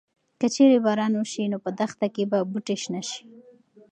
که چېرې باران وشي نو په دښته کې به بوټي شنه شي.